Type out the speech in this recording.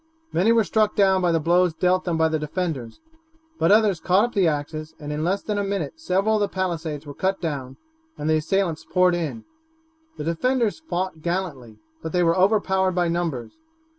Many were struck down by the blows dealt them by the defenders, but others caught up the axes and in less than a minute several of the palisades were cut down and the assailants poured in. The defenders fought gallantly, but they were overpowered by numbers.